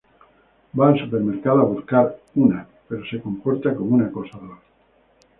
Va al supermercado a buscar una, pero se comporta como un acosador.